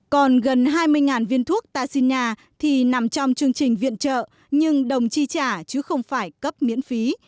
còn gần hai mươi viên thuốc taxi nhà thì nằm trong chương trình viện trợ nhưng đồng chi trả chứ không phải cấp miễn phí